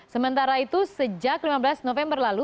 sementara itu sejak lima belas november lalu